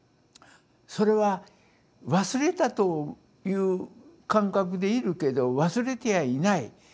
それは忘れたという感覚でいるけど忘れてやいない。